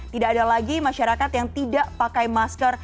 tidak ada lagi masyarakat yang tidak pakai masker